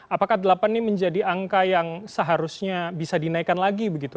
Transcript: apakah delapan ini menjadi angka yang seharusnya bisa dinaikkan lagi begitu